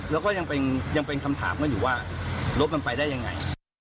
แล้วก็ยังเป็นคำถามกันอยู่ว่ารถมันไปได้ยังไง